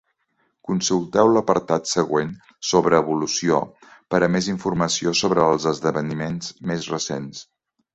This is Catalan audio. Consulteu l'apartat següent sobre "Evolució" per a més informació sobre els esdeveniments més recents.